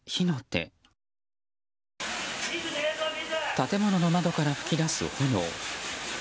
建物の窓から噴き出す炎。